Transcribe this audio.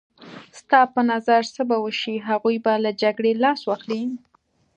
ستا په نظر څه به وشي؟ هغوی به له جګړې لاس واخلي.